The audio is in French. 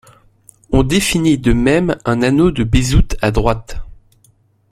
On définit de même un anneau de Bézout à droite.